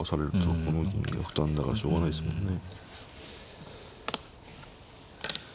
この銀が負担だからしょうがないですもんね。